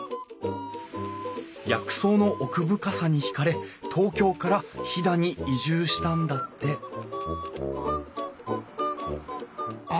薬草の奥深さに引かれ東京から飛騨に移住したんだってあっ